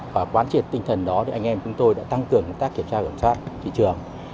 và quan trị tinh thần đó để anh em chúng tôi đã tăng cường tác kiểm tra kiểm soát thị trường